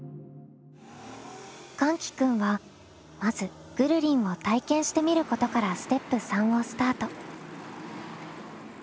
かんき君はまず「ぐるりん」を体験してみることからステップ３をスタート。